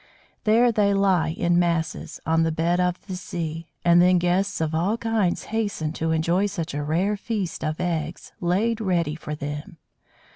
There they lie in masses, on the bed of the sea, and then guests of all kinds hasten to enjoy such a rare feast of eggs, laid ready for them.